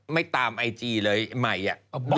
ไม่ตามไอจีเลยใหม่อ่ะ